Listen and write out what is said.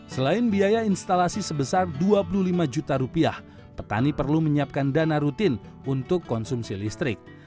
selain biaya instalasi sebesar dua puluh lima juta rupiah petani perlu menyiapkan dana rutin untuk konsumsi listrik